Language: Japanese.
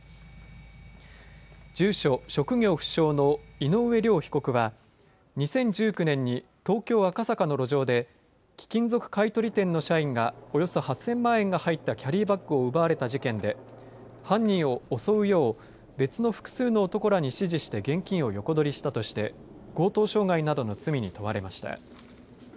住所・職業不詳の井上陵被告は２０１９年に東京、赤坂の路上で貴金属買取店の社員がおよそ８０００万円が入ったキャリーバッグを奪われた事件で犯人を襲うよう別の複数の男らに指示して現金を横取りしたとして強盗傷害などの罪に問われました。